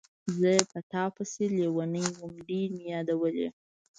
زه په تا پسې لیونی وم، ډېر مې یادولې.